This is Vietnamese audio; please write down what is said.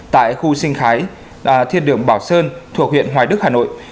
tại khu sinh thái thiên đường bảo sơn thuộc huyện hoài đức hà nội